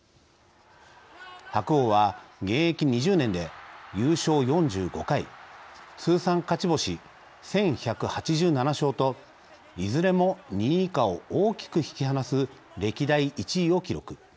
白鵬は現役２０年で優勝４５回通算勝ち星１，１８７勝といずれも２位以下を大きく引き離す歴代１位を記録。